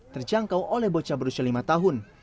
terjangkau oleh bocah berusia lima tahun